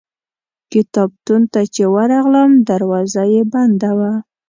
کتابتون ته چې ورغلم دروازه یې بنده وه.